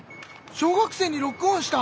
小学生にロックオンした！